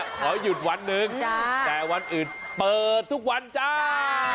ขอหยุดวันหนึ่งแต่วันอื่นเปิดทุกวันจ้า